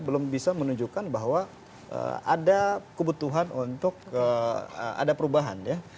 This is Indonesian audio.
belum bisa menunjukkan bahwa ada kebutuhan untuk ada perubahan ya